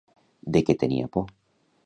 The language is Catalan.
De què tenia por?